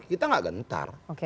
kita gak gentar